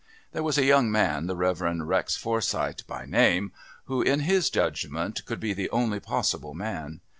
There was a young man, the Rev. Rex Forsyth by name, who, in his judgment, could be the only possible man.